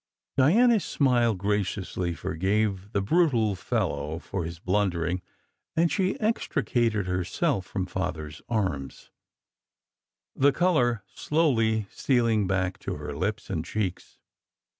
Diana s smile graciously forgave the brutal fellow for his blundering, and she extricated herself from Father s arms, the colour slowly stealing back to her lips and cheeks.